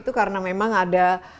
itu karena memang ada